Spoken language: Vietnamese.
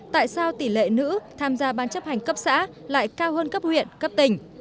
tỷ lệ nữ tham gia ban chấp hành cấp xã lại cao hơn cấp huyện cấp tỉnh